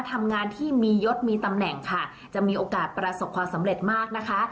ทำงานที่มียศมีตำแหน่งค่ะจะมีโอกาสประสบความสำเร็จมากนะคะ